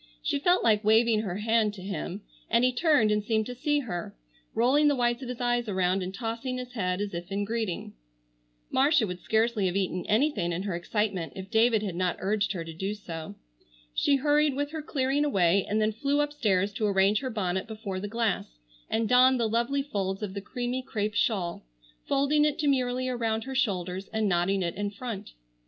She felt like waving her hand to him, and he turned and seemed to see her; rolling the whites of his eyes around, and tossing his head as if in greeting. Marcia would scarcely have eaten anything in her excitement if David had not urged her to do so. She hurried with her clearing away, and then flew upstairs to arrange her bonnet before the glass and don the lovely folds of the creamy crêpe shawl, folding it demurely around her shoulders and knotting it in front.